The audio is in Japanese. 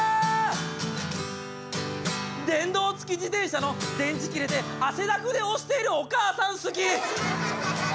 「電動付き自転車の電池切れて汗だくで押しているお母さん好き！」